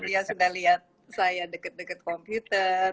dia sudah lihat saya deket deket komputer